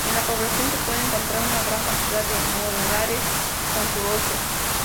En la población se puede encontrar una gran cantidad de murales con su rostro.